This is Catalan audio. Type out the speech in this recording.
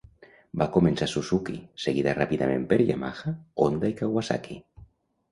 Va començar Suzuki, seguida ràpidament per Yamaha, Honda i Kawasaki.